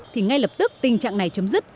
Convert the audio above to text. thì ngay lập tức tình trạng này chấm dứt